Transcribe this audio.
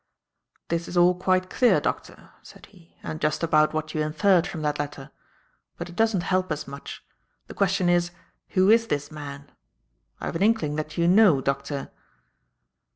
"This is all quite clear. Doctor," said he, "and just about what you inferred from that letter. But it doesn't help us much. The question is. Who is this man? I've an inkling that you know, Doctor."